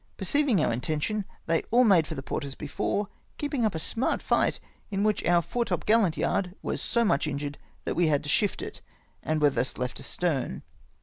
Perceiving our inten tion, they all made for the port as before, keeping up a smart fight, in which our foretopgaUant yard was so much mjured, that we had to shift it, and were thus left astern.